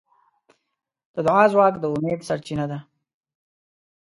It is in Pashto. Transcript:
د دعا ځواک د امید سرچینه ده.